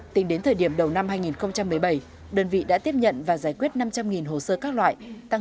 tính đến thời điểm đầu năm hai nghìn một mươi bảy đơn vị đã tiếp nhận và giải quyết năm trăm linh hồ sơ các loại